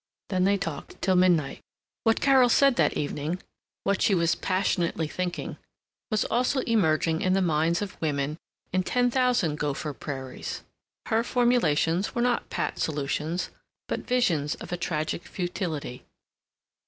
Then they talked till midnight. What Carol said that evening, what she was passionately thinking, was also emerging in the minds of women in ten thousand Gopher Prairies. Her formulations were not pat solutions but visions of a tragic futility.